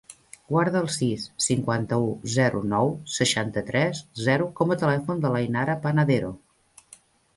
Guarda el sis, cinquanta-u, zero, nou, seixanta-tres, zero com a telèfon de l'Ainara Panadero.